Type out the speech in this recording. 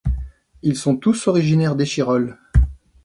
Ils sont tous originaires d'Échirolles.